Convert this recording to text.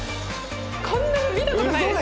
こんなの見たことないですよ。